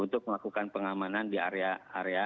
untuk melakukan pengamanan di area area